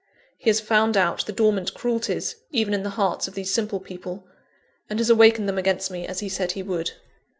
He has found out the dormant cruelties, even in the hearts of these simple people; and has awakened them against me, as he said he would.